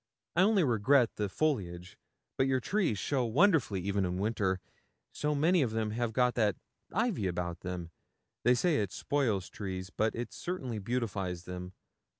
I only regret the foliage; but your trees show wonderfully, even in winter, so many of them have got that ivy about them. They say it spoils trees, but it certainly beautifies them.